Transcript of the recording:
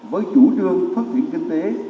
với chủ trương phát triển kinh tế